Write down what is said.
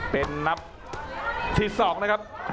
เป็นนับที่๒นะครับ